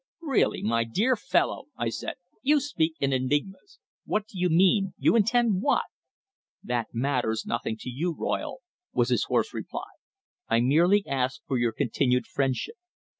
"Really, my dear fellow," I said, "you speak in enigmas. What do you mean you intend what?" "That matters nothing to you, Royle," was his hoarse reply. "I merely ask for your continued friendship.